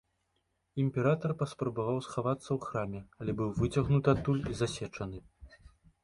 Імператар паспрабаваў схавацца ў храме, але быў выцягнуты адтуль і засечаны.